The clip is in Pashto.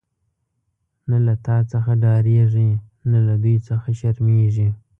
نه له تا څخه ډاریږی، نه له دوی څخه شرمیږی